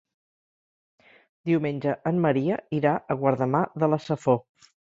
Diumenge en Maria irà a Guardamar de la Safor.